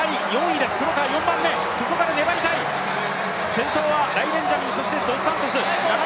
先頭はライ・ベンジャミン、そしてドスサントス